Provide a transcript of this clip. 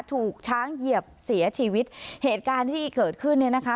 ถูกช้างเหยียบเสียชีวิตเหตุการณ์ที่เกิดขึ้นเนี่ยนะคะ